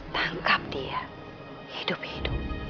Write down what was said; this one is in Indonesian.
tangkap dia hidup hidup